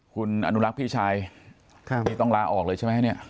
คุณอนุรักษ์พี่ชายต้องลาออกเลยใช่ไหมครับ